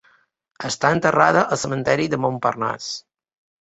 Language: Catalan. Està enterrada al cementiri de Montparnasse.